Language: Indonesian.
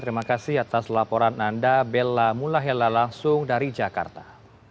terima kasih atas laporan anda bella mulahela langsung dari jakarta